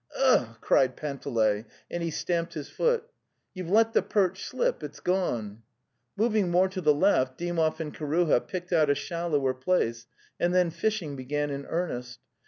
"Ugh!" cried Panteley, and he stamped his foot. + Mouive detithe perce' slip! It's cone! Moving more to the left, Dymov and Kiruha picked out a shallower place, and then fishing began in earnest.